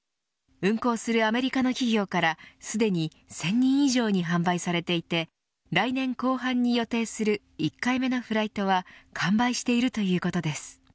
運航するアメリカの企業からすでに１０００人以上に販売されていて来年効果に予定する１回目のフライトは完売しているということです。